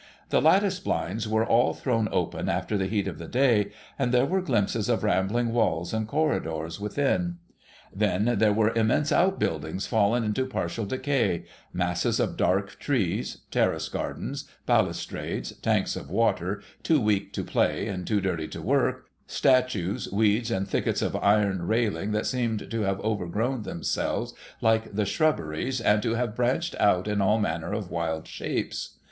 The lattice blinds were all thrown open after the heat of the day, and there were glimpses of rambling walls and corridors within. Then there were immense oul buildings fallen into partial decay, masses of dark trees, terrace gardens, balustrades ; tanks of water, too weak to play and too dirty to work ; statues, weeds, and thickets of iron railing that seemed to have overgrown themselves like the shrubberies, and to have branched out in all manner of wild shapes.